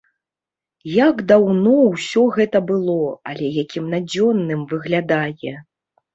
Як даўно ўсё гэта было, але якім надзённым выглядае!